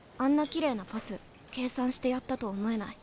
きれいなパス計算してやったと思えない。